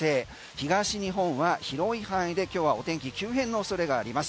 東日本は広い範囲で今日はお天気急変のおそれがあります。